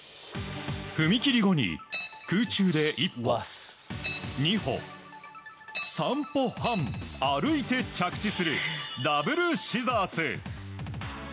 踏切後に空中で１歩、２歩、３歩半歩いて着地するダブルシザース。